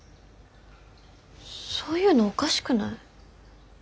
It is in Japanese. そういうのおかしくない？